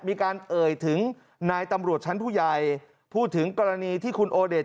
มีการเอ่ยถึงนายตำรวจชั้นผู้ใหญ่พูดถึงกรณีที่คุณโอเดช